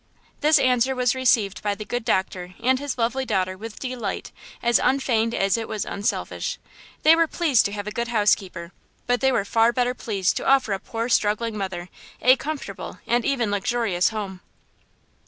This answer was received by the good doctor and his lovely daughter with delight as unfeigned as it was unselfish. They were pleased to have a good housekeeper, but they were far better pleased to offer a poor struggling mother a comfortable and even luxurious home.